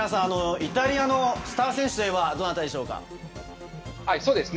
イタリアのスター選手といえばどなたですか？